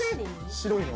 白いの？